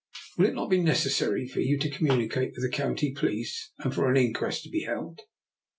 " Will it not be necessary for you to communicate with the County police, and for an inquest to be held?